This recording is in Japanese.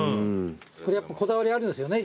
やっぱこだわりあるんですよね